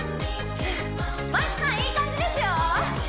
麻希さんいい感じですよ！